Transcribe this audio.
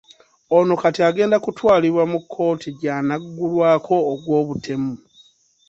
Ono kati agenda ku twalibwa mu kkooti gy'anaggulwako ogw'obutemu.